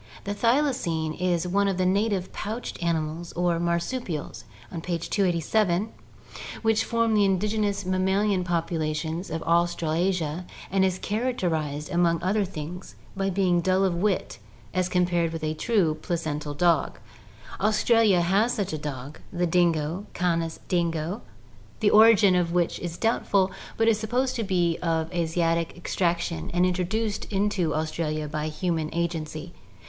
The thylacine is one of the native pouched animals or marsupials (page 287) which form the indigenous mammalian population of Australasia and is characterized among other things by being dull of wit as compared with a true placental dog. Aus tralia has such a dog, the dingo (Canis dingo), the origin of which is doubtful, but it is supposed to be of Asiatic extraction and intro duced into Australia by human agency.